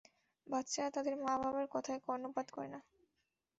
বাচ্চারা তাদের মা-বাবার কথায় কর্ণপাত করে না।